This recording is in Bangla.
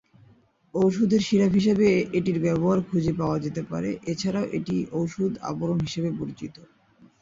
ঔষধের সিরাপ হিসাবে এটির ব্যবহার খুঁজে পাওয়া যেতে পারে, এছাড়াও এটি ঔষধ আবরণ হিসাবে পরিচিত।